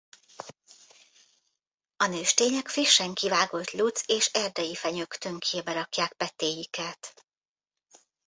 A nőstények frissen kivágott luc- és erdeifenyők tönkjébe rakják petéiket.